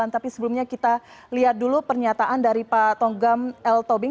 tapi sebelumnya kita lihat dulu pernyataan dari pak tonggam l tobing